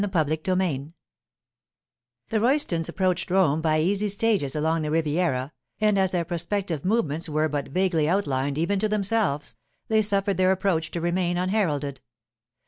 CHAPTER VII THE Roystons approached Rome by easy stages along the Riviera, and as their prospective movements were but vaguely outlined even to themselves, they suffered their approach to remain unheralded.